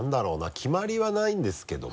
決まりはないんですけども。